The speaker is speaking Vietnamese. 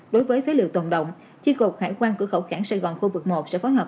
đối với phế liệu tôn động tri cục hải quan cửa khẩu khẳng sài gòn khu vực một sẽ phóng hợp